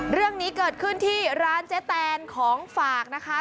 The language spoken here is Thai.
เรื่องนี้เกิดขึ้นที่ร้านเจ๊แตนของฝากนะคะ